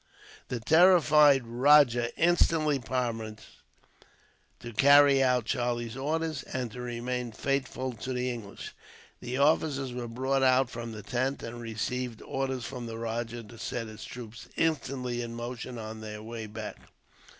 The terrified rajah instantly promised to carry out Charlie's orders, and to remain faithful to the English. The officers were brought out from the tent, and received orders from the rajah to set his troops instantly in motion on their way back.